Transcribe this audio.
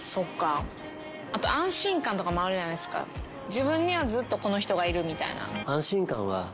自分にはずっとこの人がいるみたいな。